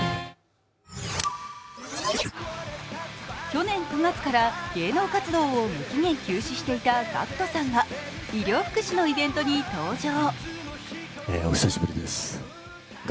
去年９月から芸能活動を無期限休止していたＧＡＣＫＴさんが医療福祉のイベントに登場。